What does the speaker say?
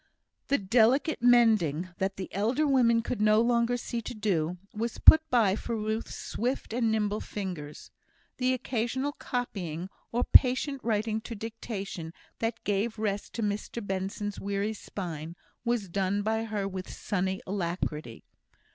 The delicate mending, that the elder women could no longer see to do, was put by for Ruth's swift and nimble fingers. The occasional copying, or patient writing to dictation, that gave rest to Mr Benson's weary spine, was done by her with sunny alacrity.